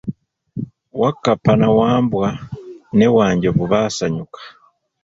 Wakkapa na Wambwa ne Wanjovu basanyuka.